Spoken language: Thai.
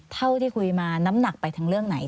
เท่าที่คุยมาน้ำหนักไปทางเรื่องไหน